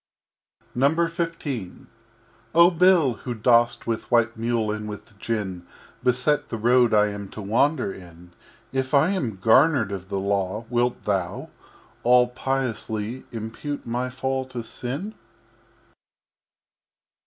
XV Oh Bill, Who dost with White Mule and with Gin Beset the Road I am to Wander in, If I am garnered of the Law, wilt Thou, All piously, Impute my Fall to Sin?